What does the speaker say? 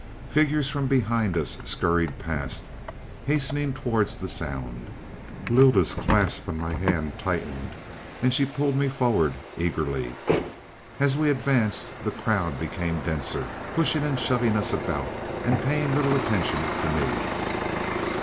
Figures from behind us scurried past, hastening towards the sound. Lylda's clasp on my hand tightened, and she pulled me forward eagerly. As we advanced the crowd became denser, pushing and shoving us about and paying little attention to me.